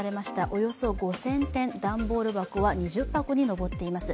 およそ５０００点、段ボール箱は２０箱にのぼっています。